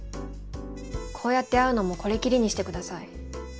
こうやって会うのもこれきりにしてください。